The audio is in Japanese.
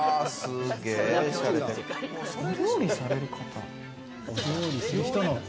お料理される方。